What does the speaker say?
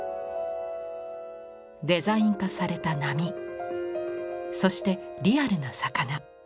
デザイン化された波そしてリアルな魚。